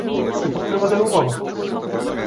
Сепак треба да е убава.